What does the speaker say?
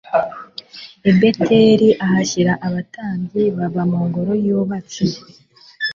I Beteli ahashyira abatambyi baba mu ngoro yubatse